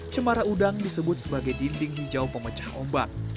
cemara udang disebut sebagai dinding hijau pemecah ombak